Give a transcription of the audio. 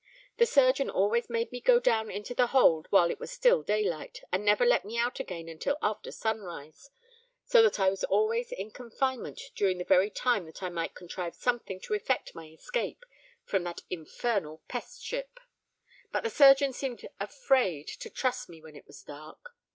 The surgeon always made me go down into the hold while it was still day light; and never let me out again until after sunrise; so that I was always in confinement during the very time that I might contrive something to effect my escape from that infernal pest ship. But the surgeon seemed afraid to trust me when it was dark.